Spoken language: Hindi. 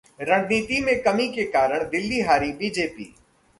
रणनीति में कमी के कारण दिल्ली हारी बीजेपी